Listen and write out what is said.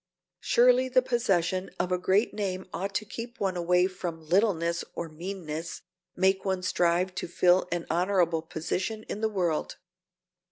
Surely the possession of a great name ought to keep one away from littleness or meanness, make one strive to fill an honorable position in the world.